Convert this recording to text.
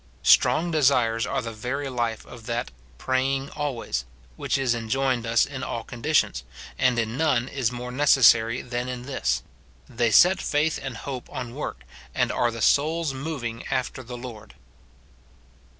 Strong desires are the very life of that "praying always" which is enjoined us in all conditions, and in none is more necessary than in this ; they set faith and hope on work, and are the soul's moving after the Lord.